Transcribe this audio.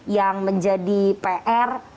yang menjadi pr